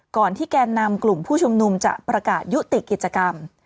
ก่อนที่แกนนำกลุ่มผู้ชุมนุมจะประกาศยุติกิจกรรม